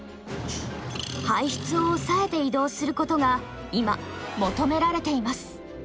排出を抑えて移動することが今求められています。